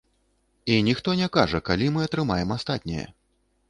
І ніхто не кажа, калі мы атрымаем астатняе.